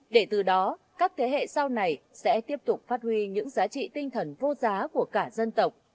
để từ đó các thế hệ sau này sẽ tiếp tục phát huy những giá trị tinh thần vô giá của cả dân tộc